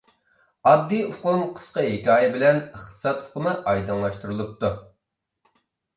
ئاددىي ئۇقۇم قىسقا ھېكايە بىلەن ئىقتىساد ئۇقۇمى ئايدىڭلاشتۇرۇلۇپتۇ.